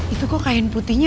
itu kok kain putihnya